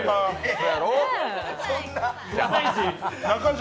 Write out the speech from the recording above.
中条、